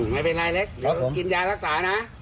ไม่เป็นไรเล็กกินยารักษานะ